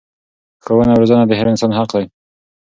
ښوونه او روزنه د هر انسان حق دی.